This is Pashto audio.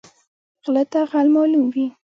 غله ته غل معلوم وي